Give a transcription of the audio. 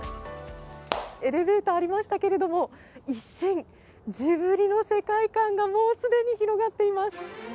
エレベーターありましたけれども、ジブリの世界観がもう既に広がっています。